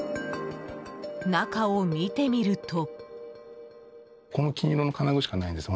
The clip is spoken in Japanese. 中を見てみると。